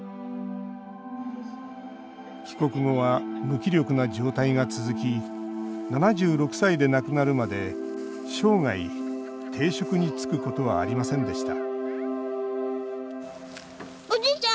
帰国後は無気力な状態が続き７６歳で亡くなるまで生涯、定職に就くことはありませんでした